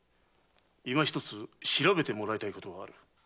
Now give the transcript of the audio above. いまひとつ調べてもらいたいことがある。